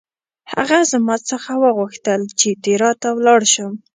هغه زما څخه وغوښتل چې تیراه ته ولاړ شم.